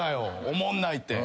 おもんないって。